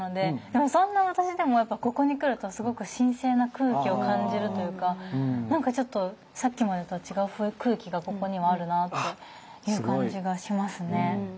でもそんな私でもやっぱここに来るとすごく神聖な空気を感じるというか何かちょっとさっきまでとは違う空気がここにはあるなっていう感じがしますね。